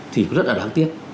thì rất là đáng tiếc